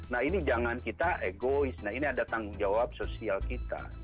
nah ini jangan kita egois nah ini ada tanggung jawab sosial kita